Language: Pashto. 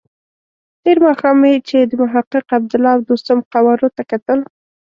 تېر ماښام مې چې د محقق، عبدالله او دوستم قوارو ته کتل.